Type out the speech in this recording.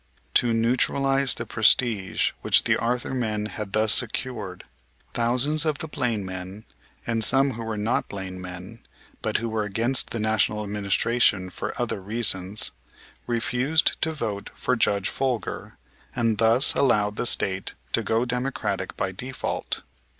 To neutralize the prestige which the Arthur men had thus secured, thousands of the Blaine men, and some who were not Blaine men, but who were against the National Administration for other reasons, refused to vote for Judge Folger, and thus allowed the State to go Democratic by default.